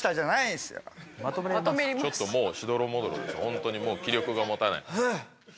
ホントにもう気力が持たない。